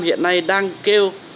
hiện nay đang kêu